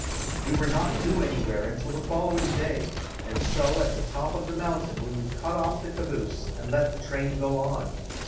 We were not due anywhere until the following day, and so at the top of the mountain we would cut off the caboose and let the train go on.